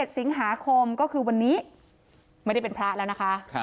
๑สิงหาคมก็คือวันนี้ไม่ได้เป็นพระแล้วนะคะ